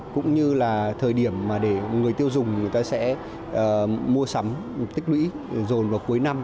cũng như là thời điểm mà để người tiêu dùng người ta sẽ mua sắm tích lũy dồn vào cuối năm